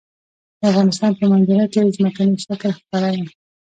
د افغانستان په منظره کې ځمکنی شکل ښکاره ده.